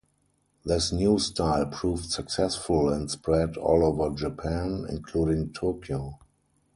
This new style proved successful and spread all over Japan, including Tokyo.